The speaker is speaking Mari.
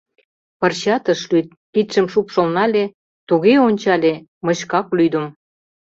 Пырчат ыш лӱд, кидшым шупшыл нале, туге ончале — мый шкак лӱдым.